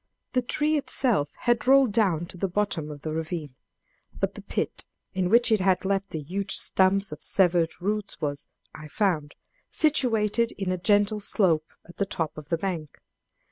The tree itself had rolled down to the bottom of the ravine; but the pit in which it had left the huge stumps of severed roots was, I found, situated in a gentle slope at the top of the bank!